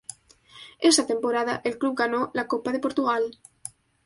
Esa temporada el club ganó la Copa de Portugal.